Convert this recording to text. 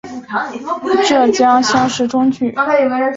浙江乡试中举。